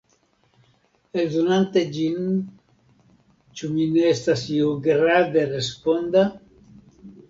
Eldonante ĝin, ĉu mi ne estas iugrade responda?